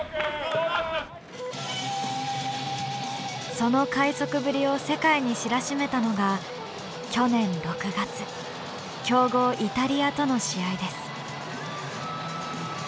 その快足ぶりを世界に知らしめたのが去年６月強豪イタリアとの試合です。